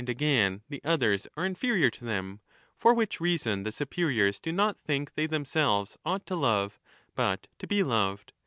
H i2io^ MAGNA MORALIA again the others are inferior to them, for which reason the superiors do not think they themselves ought to love but 20 to be loved.